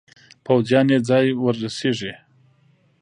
پوځیان یې ځای ورسیږي.